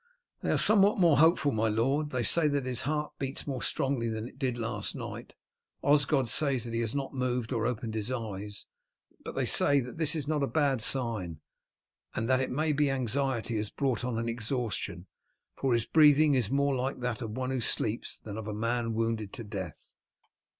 "They are somewhat more hopeful, my lord. They say that his heart beats more strongly than it did last night, Osgod says that he has not moved or opened his eyes, but they say that this is not a bad sign, and that it may be anxiety has brought on an exhaustion, for his breathing is more like that of one who sleeps than of a man wounded to death."